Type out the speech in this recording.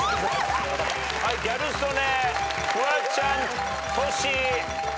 はいギャル曽根フワちゃんトシ。